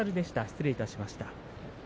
失礼しました。